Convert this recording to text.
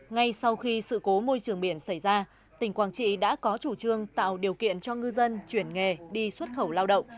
ngay sau khi sự cố môi trường biển xảy ra tỉnh quảng trị đã có chủ trương tạo điều kiện cho ngư dân chuyển nghề đi xuất khẩu lao động